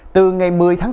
từ ngày một mươi tháng bốn